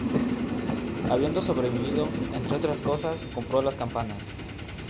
Habiendo sobrevivido, entre otras cosas compró las campanas.